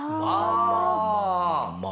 ああ！